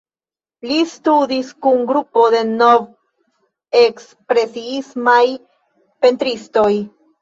Li studis kun grupo de nov-ekspresiismaj pentristoj.